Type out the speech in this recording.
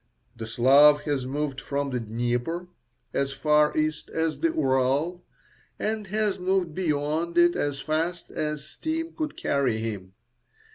The Slav has moved from the Dnieper as far east as the Ural, and has moved beyond it as fast as steam could carry him.